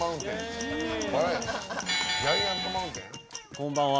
こんばんは。